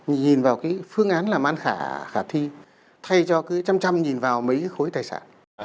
nhìn vào cái phương án làm ăn khả thi thay cho cái chăm chăm nhìn vào mấy cái khối tài sản